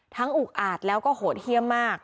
ทั้งอุกอาจแล้วก็โหดเฮียมาก